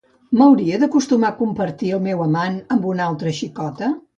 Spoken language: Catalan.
M'hauria d'acostumar a compartir el meu amant amb una altra xicota?